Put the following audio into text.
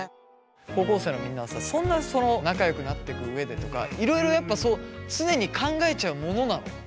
高校生のみんなはさそんなその仲良くなってく上でとかいろいろやっぱそう常に考えちゃうものなの？